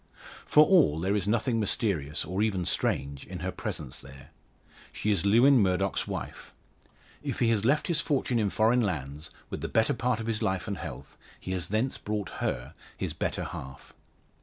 For all there is nothing mysterious, or even strange in her presence there. She is Lewin Murdoch's wife. If he has left his fortune in foreign lands, with the better part of his life and health, he has thence brought her, his better half.